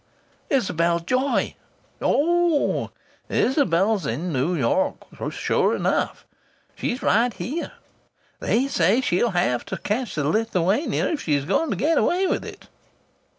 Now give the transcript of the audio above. "Isabel Joy." "Oh! Isabel's in New York, sure enough. She's right here. They say she'll have to catch the Lithuania if she's going to get away with it."